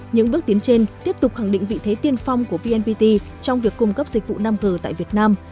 những bước tiến trên tiếp tục khẳng định vị thế tiên phong của vnpt trong việc cung cấp dịch vụ năm g tại việt nam